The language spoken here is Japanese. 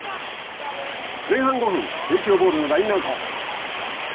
前半５分帝京ボールのラインアウト。